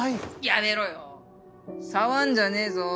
やめろよ触んじゃねえぞ。